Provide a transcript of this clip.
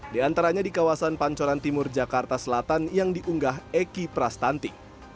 di antaranya di kawasan pancoran timur jakarta selatan yang diunggah eki prastanti